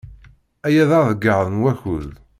Aya d aḍeyyeɛ n wakud.